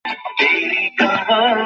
হ্যাঁ, ও ভালো আছে।